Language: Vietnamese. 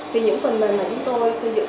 thì những phần mềm mà chúng tôi xây dựng